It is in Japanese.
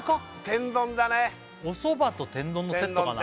天丼だねおそばと天丼のセットかな？